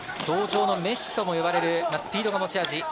氷上のメッシとも呼ばれるスピードが持ち味